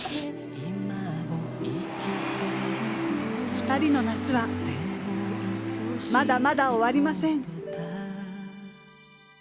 ２人の夏は、まだまだ終わりません。